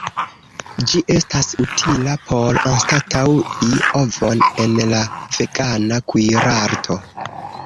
Ĝi estas utila por anstataŭi ovon en la vegana kuirarto.